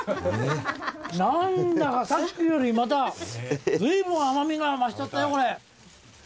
何だかさっきよりまたずいぶん甘味が増しちゃったよ。